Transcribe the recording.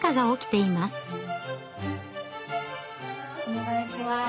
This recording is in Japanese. お願いします。